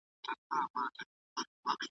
لکه نه وې زېږېدلی لکه نه وي چا لیدلی .